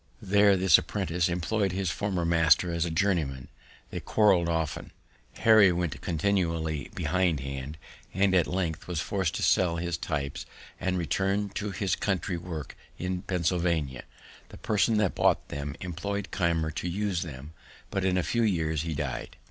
There this apprentice employ'd his former master as a journeyman; they quarrell'd often; Harry went continually behindhand, and at length was forc'd to sell his types and return to his country work in Pennsylvania. The person that bought them employ'd Keimer to use them, but in a few years he died.